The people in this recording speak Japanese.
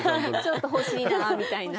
ちょっと欲しいなみたいな。